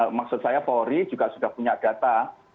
dan tni maksud saya polri juga sudah punya data